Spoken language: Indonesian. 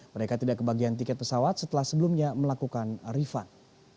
mereka tidak kebagian tiket pesawat setelah sebelumnya melakukan refund